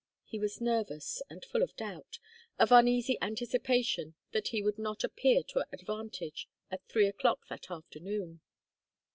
He was nervous and full of doubt, of uneasy anticipation that he would not appear to advantage at three o'clock that afternoon.